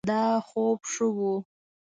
دا خوب ښه ؤ